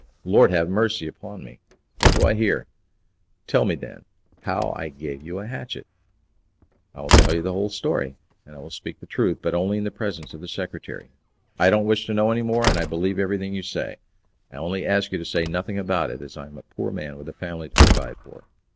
"Lord have mercy upon me! what do I hear? Tell me, then, how I gave you a hatchet?" "I will tell you the whole story and I will speak the truth, but only in the presence of the secretary." "I don't wish to know any more, and I believe everything you say. I only ask you to say nothing about it, as I am a poor man with a family to provide for."